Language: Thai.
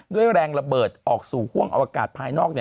แรงระเบิดออกสู่ห่วงอวกาศภายนอก